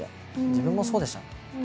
自分もそうでした。